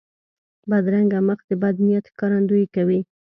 بدرنګه مخ د بد نیت ښکارندویي کوي